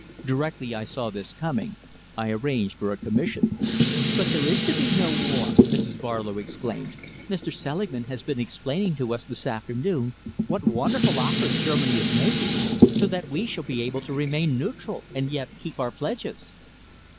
Directly I saw this coming, I arranged for a commission." "But there is to be no war!" Mrs. Barlow exclaimed. "Mr. Selingman has been explaining to us this afternoon what wonderful offers Germany is making, so that we shall be able to remain neutral and yet keep our pledges."